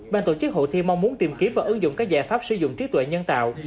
ban tổ chức hội thi mong muốn tìm kiếm và ứng dụng các giải pháp sử dụng trí tuệ nhân tạo